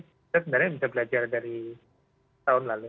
kita sebenarnya bisa belajar dari tahun lalu